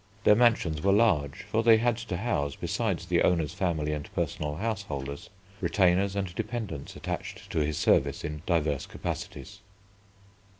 Their mansions were large, for they had to house, beside the owner's family and personal household, retainers and dependents attached to his service in diverse capacities.